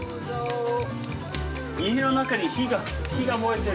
家の中に火が火が燃えてる。